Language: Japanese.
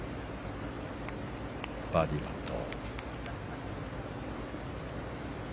バーディーパット。